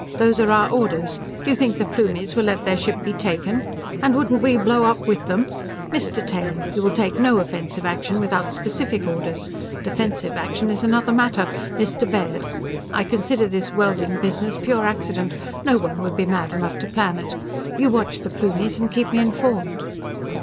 Those are our orders! D'you think the Plumies will let their ship be taken? And wouldn't we blow up with them? Mr. Taine, you will take no offensive action without specific orders! Defensive action is another matter. Mr. Baird! I consider this welding business pure accident. No one would be mad enough to plan it. You watch the Plumies and keep me informed!